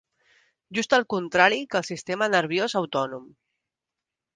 Just el contrari que el sistema nerviós autònom.